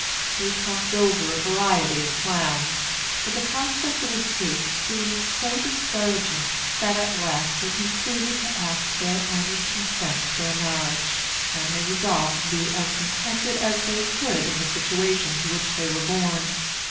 They talked over a variety of plans; but the prospect of escape seemed so discouraging, that at last they concluded to ask their owner's consent to their marriage; and they resolved to be as contented as they could in the situation to which they were born.